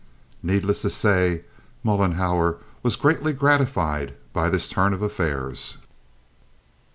Needless to say, Mollenhauer was greatly gratified by this turn of affairs.